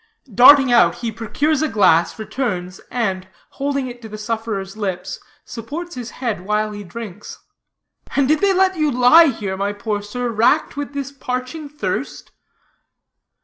Darting out, he procures a glass, returns, and, holding it to the sufferer's lips, supports his head while he drinks: "And did they let you lie here, my poor sir, racked with this parching thirst?"